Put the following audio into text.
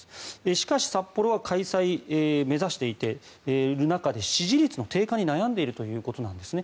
しかし、札幌は開催を目指していている中で支持率の低下に悩んでいるということなんですね。